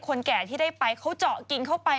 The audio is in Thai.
แก่ที่ได้ไปเขาเจาะกินเข้าไป